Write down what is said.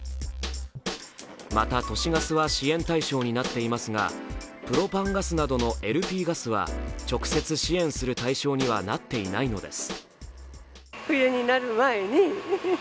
また、都市ガスは支援対象になっていますが、プロパンガスなどのＬＰガスは直接支援する対象にはなっていないのです。